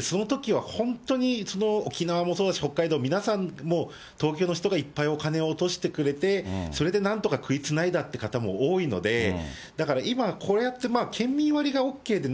そのときは、本当に沖縄もそうだし、北海道、皆さん、東京の人がいっぱいお金を落としてくれて、それで何とか食いつないだという方も多いので、だから今、こうやって県民割がＯＫで、